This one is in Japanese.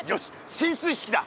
進水式だ！